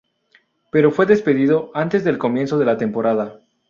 Pero fue despedido antes del comienzo de la temporada.